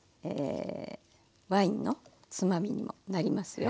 ワインのつまみにもなりますよ。